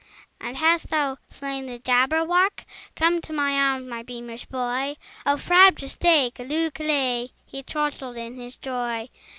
"And hast thou slain the Jabberwock? Come to my arms, my beamish boy! O frabjous day! Callooh! Callay!" He chortled in his joy.